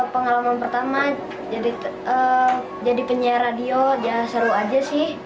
pengalaman pertama jadi penyiar radio seru saja